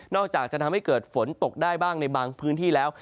อกจากจะทำให้เกิดฝนตกได้บ้างในบางพื้นที่แล้ว